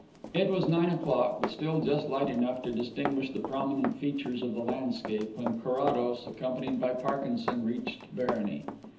It was nine o'clock, but still just light enough to distinguish the prominent features of the landscape, when Carrados, accompanied by Parkinson, reached Barony.